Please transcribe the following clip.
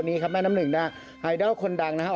แม่น้ำหนึ่งไอดัลคนดังนะครับ